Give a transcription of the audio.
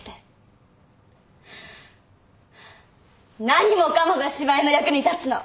何もかもが芝居の役に立つの。